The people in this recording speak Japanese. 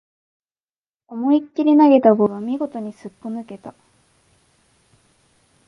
思いっきり投げたボールは見事にすっぽ抜けた